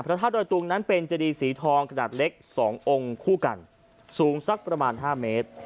พระธาตุดอยตุงนั้นเป็นเจดีสีทองขนาดเล็ก๒องค์คู่กันสูงสักประมาณ๕เมตร